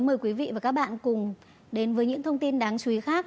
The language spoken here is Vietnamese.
mời quý vị và các bạn cùng đến với những thông tin đáng chú ý khác